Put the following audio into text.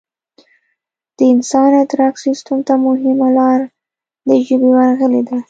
د انسان ادراک سیستم ته مهمه لار د ژبې ورغلې ده